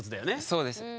そうです。